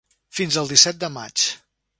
Fins al disset de maig.